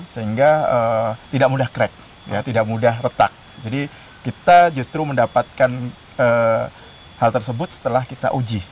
sehingga tidak mudah crack tidak mudah retak jadi kita justru mendapatkan hal tersebut setelah kita uji